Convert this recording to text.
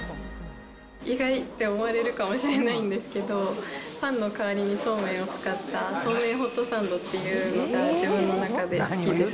意外って思われるかもしれませんけど、パンの代わりにそうめんを使った、そうめんホットサンドっていうのが、自分の中で好きです。